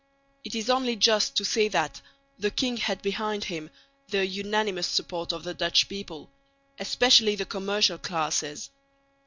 It is only just to say that the king had behind him the unanimous support of the Dutch people, especially the commercial classes.